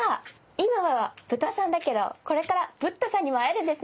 今はブタさんだけどこれからブッタさんにも会えるんですね。